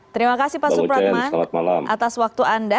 terima kasih pak supratman atas waktu anda